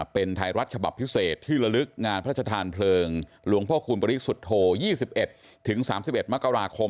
เป็นไทยรัฐฉบับพิเศษที่ละลึกงานพระชธานเพลิงหลวงพ่อคูณปริสุทธโธ๒๑๓๑มกราคม